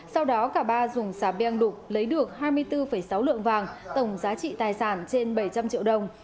sau đó cả ba dùng xà beng đục lấy được hai mươi bốn sáu lượng vàng tổng giá trị tài sản trên bảy trăm linh triệu đồng